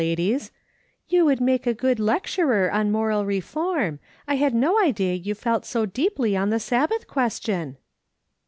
ladies, " you would make a good lecturer on moral reform ; I had no idea you felt so deeply on the Saljbath question